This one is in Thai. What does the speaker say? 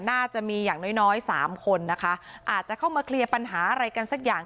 น่าจะมีอย่างน้อยน้อยสามคนนะคะอาจจะเข้ามาเคลียร์ปัญหาอะไรกันสักอย่าง